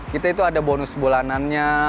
kita itu ada bonus bulanannya